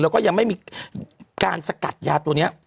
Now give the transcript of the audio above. แล้วก็ยังไม่มีการสกัดยาตัวนี้